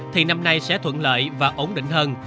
thì năm nay sẽ thuận lợi và ổn định hơn